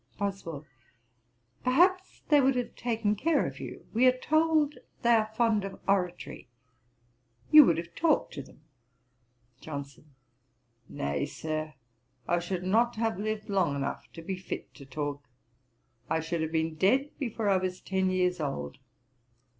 BOSWELL. 'Perhaps they would have taken care of you: we are told they are fond of oratory, you would have talked to them.' JOHNSON. 'Nay, Sir, I should not have lived long enough to be fit to talk; I should have been dead before I was ten years old.